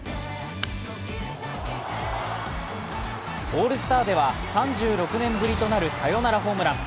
オールスターでは３６年ぶりとなるサヨナラホームラン。